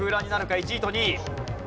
１位と２位。